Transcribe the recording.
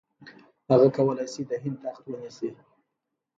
هغه کولای شي د هند تخت ونیسي.